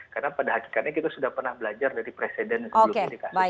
karena pada hakikatnya kita sudah pernah belajar dari presiden sebelum ini